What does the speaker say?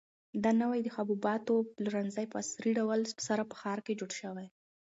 دا نوی د حبوباتو پلورنځی په عصري ډول سره په ښار کې جوړ شوی.